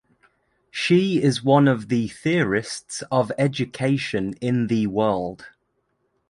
She is one of the theorists of education in the world.